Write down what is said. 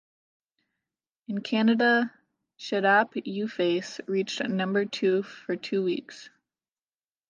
In Canada, "Shaddap You Face" reached number two for two weeks.